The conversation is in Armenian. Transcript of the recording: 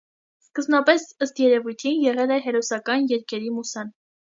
Սկզբնապես, ըստ երևույթին, եղել է հերոսական երգերի մուսան։